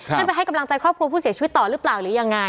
ให้ไปให้กำลังใจครอบครัวผู้เสียชีวิตต่อหรือเปล่าหรือยังไง